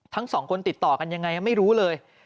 ทั้งสองคนติดต่อกันยังไงไม่รู้เลย